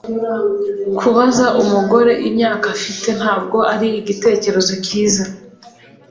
Kubaza umugore imyaka afite ntabwo ari igitekerezo cyiza